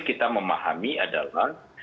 yang kita memahami adalah